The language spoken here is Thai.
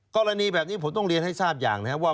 กรณีแบบนี้ผมต้องเรียนให้ทราบอย่างนะครับว่า